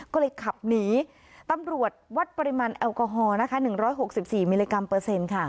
ก็เลยขับหนีตำรวจวัดปริมาณแอลกอฮอล์นะคะ๑๖๔มิลลิกรัมเปอร์เซ็นต์ค่ะ